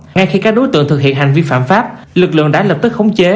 ngay khi các đối tượng thực hiện hành vi phạm pháp lực lượng đã lập tức khống chế